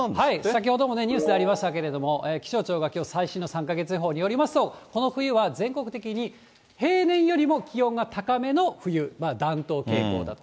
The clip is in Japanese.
先ほどもニュースでありましたけれども、気象庁がきょう、最新の３か月予報によりますと、この冬は全国的に平年よりも気温が高めの冬、暖冬傾向だと。